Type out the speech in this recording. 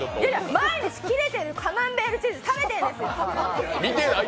毎日切れてるカマンベールチーズ食べてるんです！